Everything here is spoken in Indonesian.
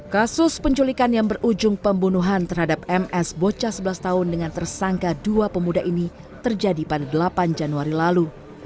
kasus penculikan yang berujung pembunuhan terhadap ms bocah sebelas tahun dengan tersangka dua pemuda ini terjadi pada delapan januari lalu